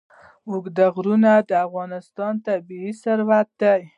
اوږده غرونه د افغانستان طبعي ثروت دی.